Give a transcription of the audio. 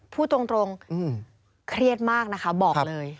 พูดตรงเครียดมากนะคะบอกเลย